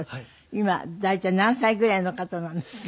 今大体何歳ぐらいの方なんですか？